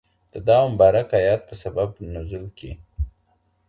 د دغه مبارک آيت په سبب نزول کي.